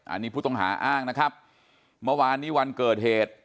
อันนี้ผู้ต้องหาอ้างนะครับเมื่อวานนี้วันเกิดเหตุ